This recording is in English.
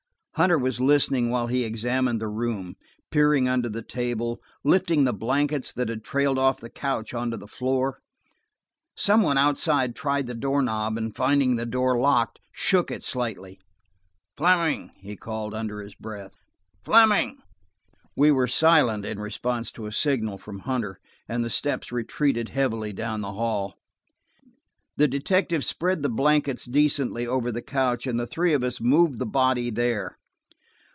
Hunter was listening while he examined the room, peering under the table, lifting the blankets that had trailed off the couch on to the floor. Some one outside tried the door knob, and finding the door locked, shook it slightly. "Fleming!" he called under his breath. "Fleming!" We were silent, in response to a signal from Hunter, and the steps retreated heavily down the hall. The detective spread the blankets decently over the couch, and the three of us moved the body there.